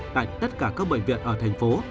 tại tất cả các bệnh viện ở thành phố